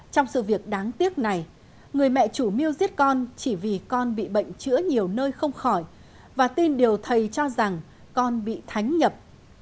trong sự việc đáng tiếc này người mẹ chủ mưu giết con chỉ vì con bị bệnh chữa nhiều nơi không khỏi và tin điều thầy cho rằng con bị thánh nhập